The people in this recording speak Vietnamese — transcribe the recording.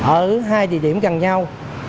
ở hai địa điểm gần nhau